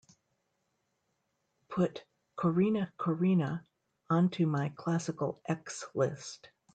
Put Corrina, Corrina onto my classical x list.